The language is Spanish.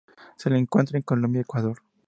Se la encuentra en Colombia, Ecuador.